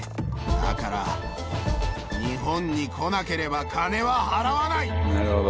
だから、日本に来なければ、金は払わない！